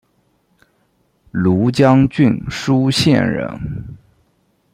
庐江郡舒县人。